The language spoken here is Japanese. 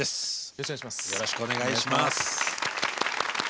よろしくお願いします。